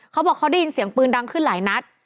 เขาบอกเขาได้ยินเสียงปืนดังขึ้นหลายนัด